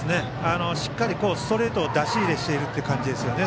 しっかりストレートを出し入れしている感じですよね。